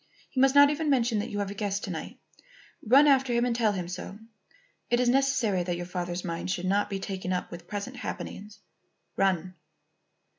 He must not even mention that you have a guest to night. Run after him and tell him so. It is necessary that your father's mind should not be taken up with present happenings. Run."